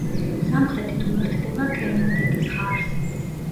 სამხრეთით უერთდება კერმადეკის ღარს.